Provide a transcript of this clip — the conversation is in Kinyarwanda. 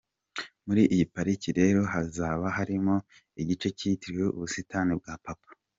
Muri iyi pariki rero hazaba harimo igice cyitiriwe ubusitani bwa Papa.